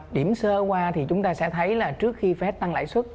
điểm sơ qua thì chúng ta sẽ thấy là trước khi phép tăng lãi suất